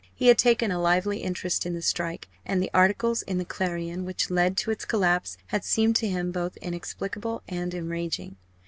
He had taken a lively interest in the strike, and the articles in the Clarion which led to its collapse had seemed to him both inexplicable and enraging.